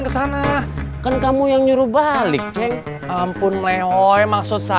masa tidak ada hubungannya dengan konspirasi global